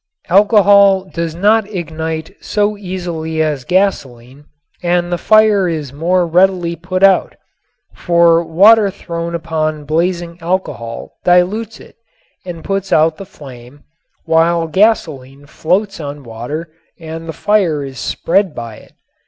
Alcohol does not ignite so easily as gasoline and the fire is more readily put out, for water thrown upon blazing alcohol dilutes it and puts out the flame while gasoline floats on water and the fire is spread by it.